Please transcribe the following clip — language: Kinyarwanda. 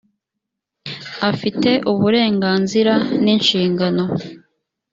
afite uburenganzira n ‘inshingano .